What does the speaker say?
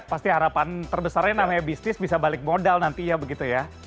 pasti harapan terbesarnya namanya bisnis bisa balik modal nanti ya begitu ya